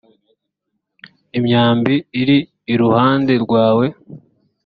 imyambi iri iruhande rwawe